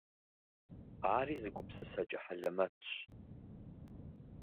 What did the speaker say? Ари зы гупсысэкӏэ хьэлэмэтщ.